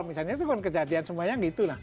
misalnya itu kan kejadian semuanya gitu